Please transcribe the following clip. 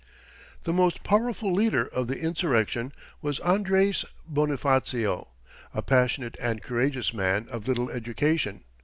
The most powerful leader of the insurrection was Andres Bonifacio, a passionate and courageous man of little education.